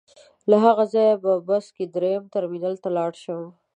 له هغه ځایه په بس کې درېیم ټرمینل ته لاړ شم.